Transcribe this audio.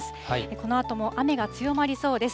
このあとも雨が強まりそうです。